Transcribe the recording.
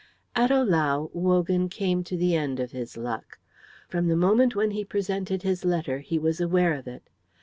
At Ohlau Wogan came to the end of his luck. From the moment when he presented his letter he was aware of it.